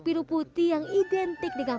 biru putih yang identik dengan